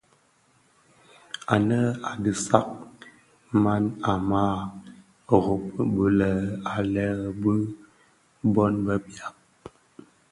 Ànë a disag man a màa rôb bi lë à lëê bi bôn bë biàg.